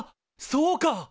そうか！